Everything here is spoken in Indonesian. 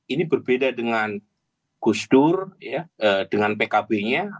ini berbeda dengan gus dur dengan pkb nya